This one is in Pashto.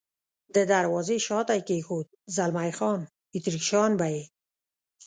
د دروازې شاته یې کېښود، زلمی خان: اتریشیان به یې.